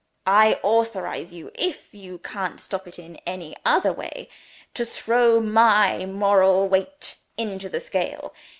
I authorize you (if you can't stop it in any other way) to throw My moral weight into the scale.